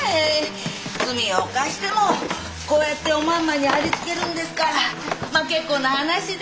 罪を犯してもこうやっておまんまにありつけるんですからまあ結構な話で。